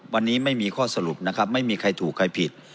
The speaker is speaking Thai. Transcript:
วันนี้ไม่มีข้อสรุปนะครับไม่มีใครถูกใครผิด